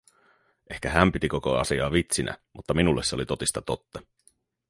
Ehkä hän piti koko asiaa vitsinä, mutta minulle se oli totista totta.